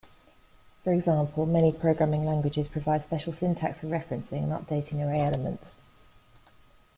For example, many programming languages provide special syntax for referencing and updating array elements.